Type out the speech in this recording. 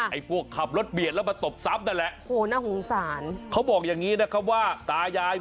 ไอ้พวกขับรถเบียดแล้วมาตบทรัพย์นั่นแหละ